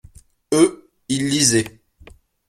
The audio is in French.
Eux, ils lisaient.